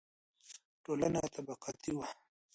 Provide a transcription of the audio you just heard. ټولنه طبقاتي وه.